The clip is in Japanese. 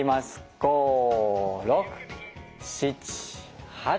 ５６７８。